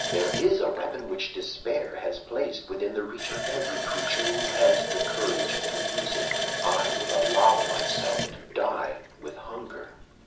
"'There is a weapon which despair has placed within the reach of every creature who has the courage to use it. I will allow myself to die with hunger.